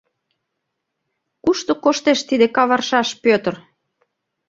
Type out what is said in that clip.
Кушто коштеш тиде каваршаш Пӧтыр?